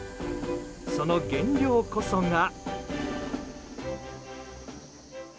その原料こそが。